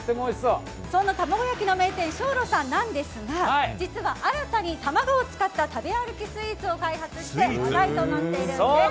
そんな卵焼きの名店松露さんなんですが実は新たに卵を使った食べ歩きスイーツを開発して話題となっているんです。